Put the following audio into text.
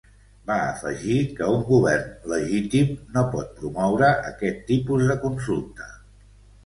Va afegir que un govern ‘legítim’ no pot promoure aquest tipus de consulta.